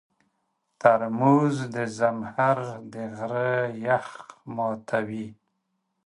ترموز د زمهر د غره یخ ماتوي.